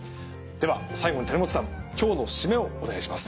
では最後に谷本さん今日の締めをお願いします。